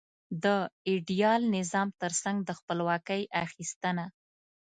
د ایډیال نظام ترڅنګ د خپلواکۍ اخیستنه.